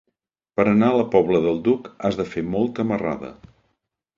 Per anar a la Pobla del Duc has de fer molta marrada.